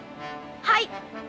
はい！